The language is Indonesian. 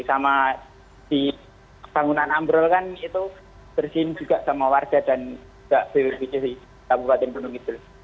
sama di bangunan ambrol kan itu bersihin juga sama warga dan juga bpbd di kabupaten gunung kidul